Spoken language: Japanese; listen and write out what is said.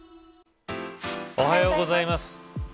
おはようございます。